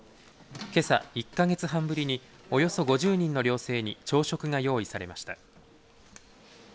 けさ１か月半ぶりにおよそ５０人の寮生に朝食が用意されました。